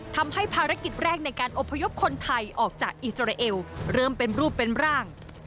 ทำให้ภารกิจแรกในการอบพยพคนไทยออกจากอิสราเอลเริ่มเป็นรูปเป็นร่าง